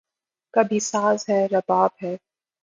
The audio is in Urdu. کبھی ساز ہے، رباب ہے